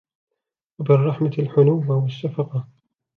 وَبِالرَّحْمَةِ الْحُنُوَّ وَالشَّفَقَةَ